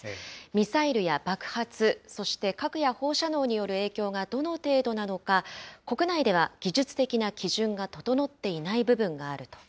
ミサイルや爆発、そして核や放射能による影響がどの程度なのか、国内では技術的な基準が整っていない部分があると。